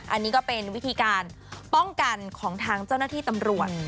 อันนี้ก็เป็นวิธีการป้องกันของทางเจ้าหน้าที่ตำรวจ